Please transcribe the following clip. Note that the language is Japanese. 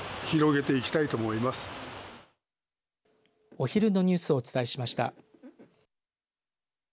お昼のニュースをお伝えしました。